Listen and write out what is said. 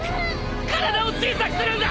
体を小さくするんだ！